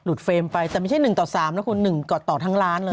หลุดเฟรมไปแต่ไม่ใช่หนึ่งต่อสามนะครับคุณหนึ่งต่อทั้งล้านเลย